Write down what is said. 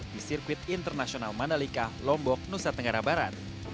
di sirkuit internasional mandalika lombok nusa tenggara barat